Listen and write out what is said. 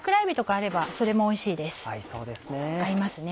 合いそうですね。